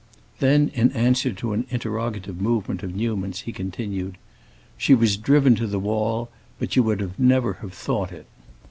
Then in answer to an interrogative movement of Newman's he continued, "She was driven to the wall, but you would never have thought it.